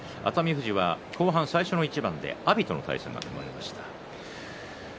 富士は、後半最初の一番で阿炎との対戦が組まれました。